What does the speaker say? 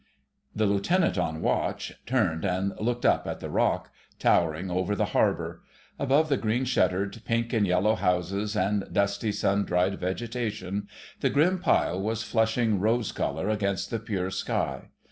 The Lieutenant on watch turned and looked up at the Rock, towering over the harbour. Above the green shuttered, pink and yellow houses, and dusty, sun dried vegetation, the grim pile was flushing rose colour against the pure sky.